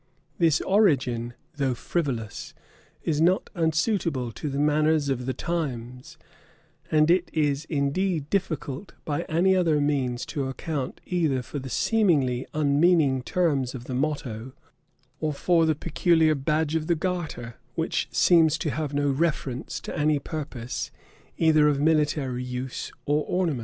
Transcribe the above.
This origin, though frivolous, is not unsuitable to the manners of the times; and it is indeed difficult by any other means to account either for the seemingly unmeaning terms of the motto, or for the peculiar badge of the garter, which seems to have no reference to any purpose either of military use or ornament.